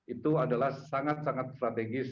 itu adalah sangat sangat strategis